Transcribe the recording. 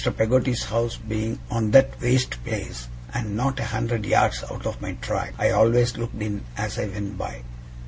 Peggotty's house being on that waste place, and not a hundred yards out of my track, I always looked in as I went by.